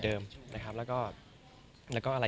ก็มีไปคุยกับคนที่เป็นคนแต่งเพลงแนวนี้